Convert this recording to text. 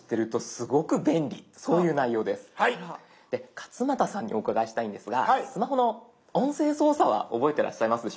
勝俣さんにお伺いしたいんですがスマホの音声操作は覚えてらっしゃいますでしょうか？